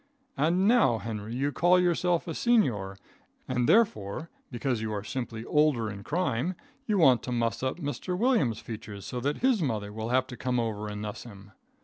And now, Henry, you call yourself a seanyour, and therefore, because you are simply older in crime, you want to muss up Mr. Williams's features so that his mother will have to come over and nuss him.